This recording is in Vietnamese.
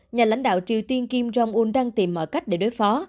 nhà lãnh đạo triều tiên kim jong un đang tìm mọi cách để đối phó